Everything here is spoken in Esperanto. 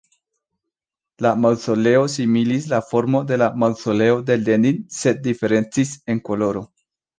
La maŭzoleo similis la formo de la Maŭzoleo de Lenin sed diferencis en koloro.